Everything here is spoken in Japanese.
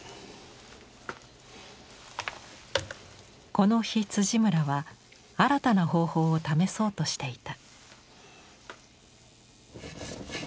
この日村は新たな方法を試そうとしていた。